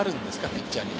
ピッチャーに。